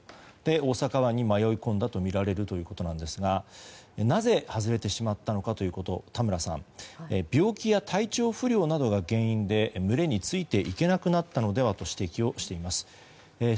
大阪湾に迷い込んだとみられるということなんですがなぜ外れてしまったのかということを田村さん、病気や体調不良などが原因で群れについていけなくなったのではと指摘しています。